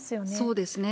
そうですね。